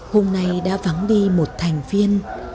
hôm nay đã vắng đi một thành viên